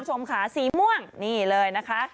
ชมขาสีม่วงนี่เลย